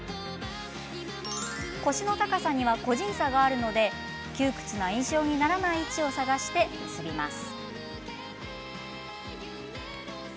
腰の高さには個人差があるので窮屈な印象にならない位置を探して結びます。